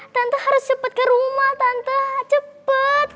tante harus cepet ke rumah tante cepet